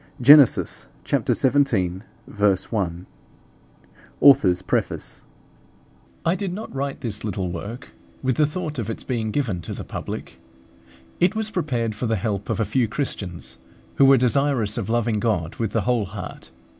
Gen. xvii. 1. AUTHOR'S PREFACE. I did not write this little work with the thought of its being given to the public. It was prepared for the help of a few Christians who were desirous of loving God with the whole heart.